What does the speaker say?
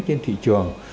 trên thị trường